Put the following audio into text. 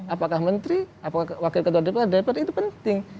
apakah menteri apakah wakil ketua dpr itu penting